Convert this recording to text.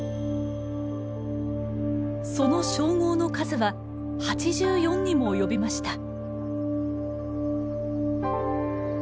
その称号の数は８４にも及びました。